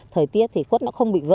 thời tiết thì quất nó không bị vỡ